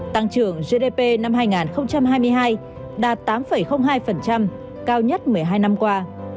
tăng trưởng gdp năm hai nghìn hai mươi hai đạt tám hai cao nhất một mươi hai năm qua